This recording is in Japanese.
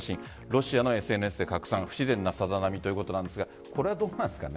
ロシアのＳＮＳで拡散不自然なさざ波ということですがこれはどうなんですか？